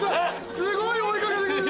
すごい追い掛けて来る。